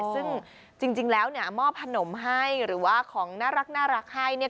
ซึ่งจริงแล้วเนี่ยมอบขนมให้หรือว่าของน่ารักให้เนี่ย